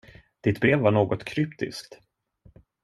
Ditt brev var något kryptiskt.